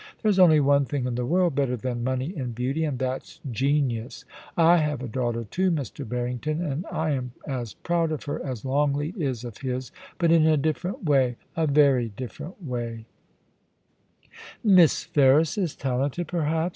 There's only one thing in the world better than money and beauty, and that's genius. I have a daughter too, Mr. Barrington, and I am as proud of her as Longleat is of his, but in a different way — a very different way.* 28 POLICY AND PASSION. * Miss Ferris is talented, perhaps